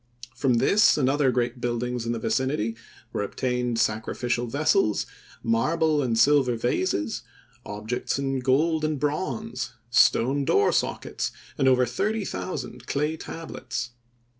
From this and other great buildings in the vicinity were obtained sacrificial vessels, marble and silver vases, objects in gold and bronze, stone door sockets and over thirty thousand clay tablets.